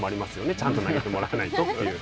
ちゃんと投げてもらわないととい